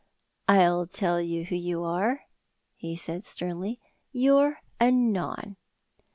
"I'll tell you who you are," he said sternly, "you're 'Anon.'"